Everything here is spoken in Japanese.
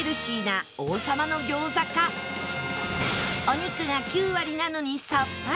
お肉が９割なのにさっぱり